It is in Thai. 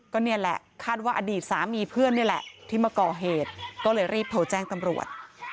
ก็นี่แหละคาดว่าอดีตสามีเพื่อนนี่แหละที่มาก่อเหตุก็เลยรีบโทรแจ้งตำรวจ